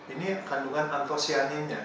ini kandungan antosianinnya